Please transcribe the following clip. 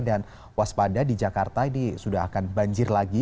dan waspada di jakarta sudah akan banjir lagi